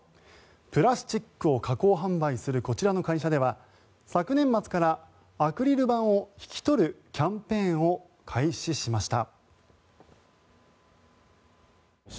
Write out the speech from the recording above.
プラスチックを加工販売するこちらの会社では昨年末からアクリル板を引き取るキャンぺーンを開始しました。